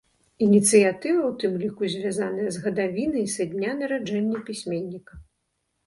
Ініцыятыва ў тым ліку звязаная з гадавінай са дня нараджэння пісьменніка.